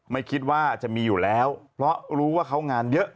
ไม่คิดว่าจะมีอยู่แล้วเพราะรู้ว่าเขางานเยอะ